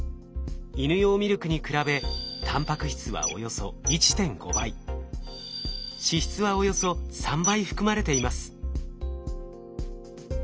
イヌ用ミルクに比べタンパク質はおよそ１．５倍脂質はおよそ３倍含まれています。